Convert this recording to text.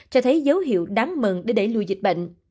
cho thấy dấu hiệu đáng mừng để đẩy lùi dịch bệnh